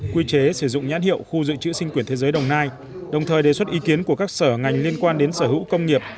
quy chế sử dụng nhãn hiệu khu dự trữ sinh quyển thế giới đồng nai đồng thời đề xuất ý kiến của các sở ngành liên quan đến sở hữu công nghiệp